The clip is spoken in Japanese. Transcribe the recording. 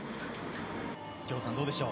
城さん、どうでしょう。